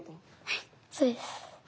はいそうです。